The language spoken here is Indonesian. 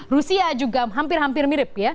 rusia juga hampir hampir mirip ya